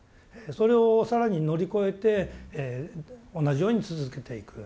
それを更に乗り越えて同じように続けていく。